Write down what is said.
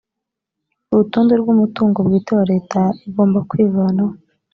urutonde rw’umutungo bwite wa leta igomba kwivanaho